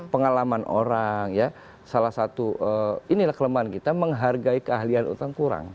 pengalaman orang ya salah satu inilah kelemahan kita menghargai keahlian utang kurang